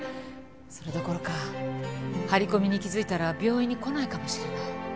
それどころか張り込みに気づいたら病院に来ないかもしれない。